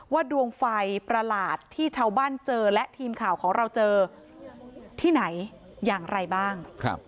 ดวงไฟประหลาดที่ชาวบ้านเจอและทีมข่าวของเราเจอที่ไหนอย่างไรบ้าง